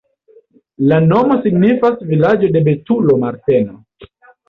La nomo signifas vilaĝo-de-betulo-Marteno.